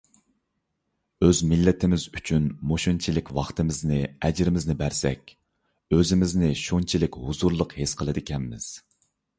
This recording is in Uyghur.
ئۆز مىللىتىمىز ئۈچۈن مۇشۇنچىلىك ۋاقتىمىزنى، ئەجرىمىزنى بەرسەك، ئۆزىمىزنى شۇنچىلىك ھۇزۇرلۇق ھېس قىلىدىكەنمىز.